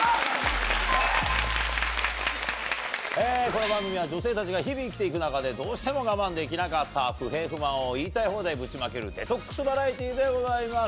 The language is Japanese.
この番組は女性たちが日々生きて行く中でどうしても我慢できなかった不平不満を言いたい放題ぶちまけるデトックスバラエティーでございます。